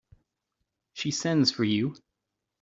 She sends for you.